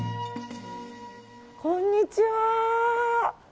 こんにちは。